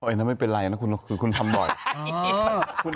เอาอย่างนั้นไม่เป็นไรนะคุณท่อนรักษาคือคุณทำได้